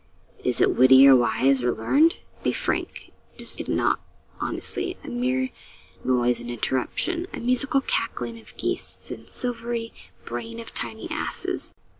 Is it witty, or wise, or learned? Be frank. Is it not, honestly, a mere noise and interruption a musical cackling of geese, and silvery braying of tiny asses?